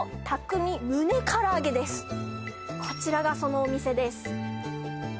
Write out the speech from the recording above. こちらがそのお店です